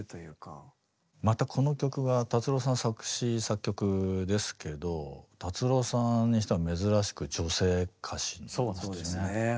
またこの曲が達郎さん作詞作曲ですけど達郎さんにしては珍しく女性歌詞の曲ですね。